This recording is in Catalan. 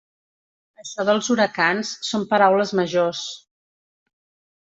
Això dels huracans són paraules majors...